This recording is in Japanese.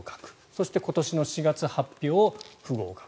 そして、今年の４月発表不合格。